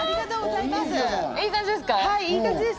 いい感じです。